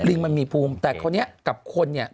มันมีภูมิแต่คราวนี้กับคนเนี่ย